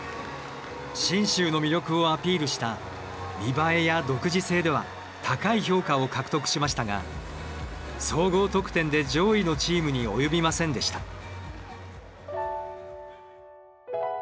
信州の魅力をアピールした見栄えや独自性では高い評価を獲得しましたが総合得点で上位のチームに及びませんでした。